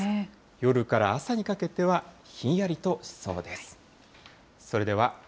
夜から朝にかけては、ひんやりとしそうです。